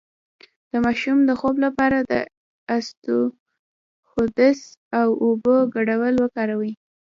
د ماشوم د خوب لپاره د اسطوخودوس او اوبو ګډول وکاروئ